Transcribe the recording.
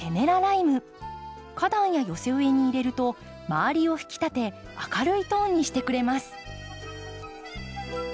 花壇や寄せ植えに入れると周りを引き立て明るいトーンにしてくれます。